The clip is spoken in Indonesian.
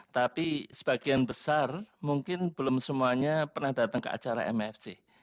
tapi sebagian besar mungkin belum semuanya pernah datang ke acara mfc